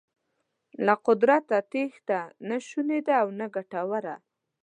له قدرته تېښته نه شونې ده او نه ګټوره.